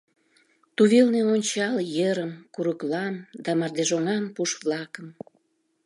— Тувелне ончал ерым, курыклам да мардежоҥан пуш-влакым!